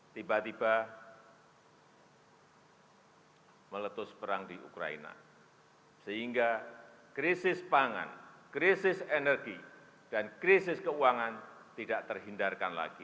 tiba tiba meletus perang di ukraina sehingga krisis pangan krisis energi dan krisis keuangan tidak terhindarkan lagi